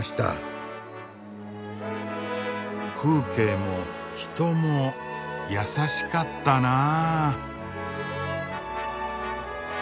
風景も人もやさしかったなあ。